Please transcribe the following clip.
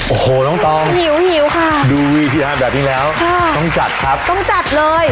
โอ้โหน้องตอมดูวิทยาแบบนี้แล้วต้องจัดครับต้องจัดเลย